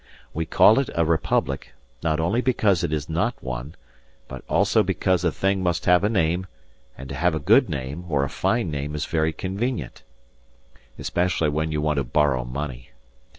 We call it a republic, not only because it is not one, but also because a thing must have a name; and to have a good name, or a fine name, is very convenient especially when you want to borrow money.